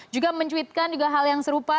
juga mencuitkan juga hal yang serupa